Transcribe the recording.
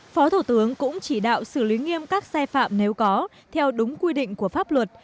phó thủ tướng cũng chỉ đạo xử lý nghiêm các sai phạm nếu có theo đúng quy định của pháp luật